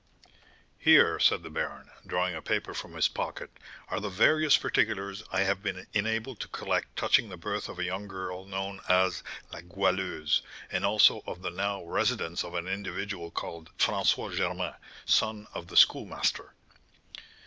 "Here," said the baron, drawing a paper from his pocket, "are the various particulars I have been enabled to collect touching the birth of a young girl known as La Goualeuse, and also of the now residence of an individual called François Germain, son of the Schoolmaster."